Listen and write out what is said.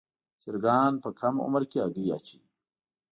چرګان په کم عمر کې هګۍ اچوي.